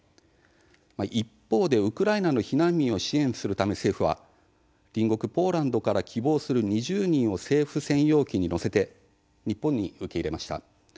一方でウクライナの避難民を支援するため政府は隣国ポーランドから希望する２０人を政府専用機に乗せて日本に受け入れました。